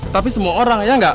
tapi semua orang ya nggak